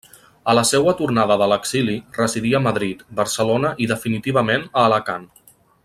A la seua tornada de l'exili residí a Madrid, Barcelona i definitivament a Alacant.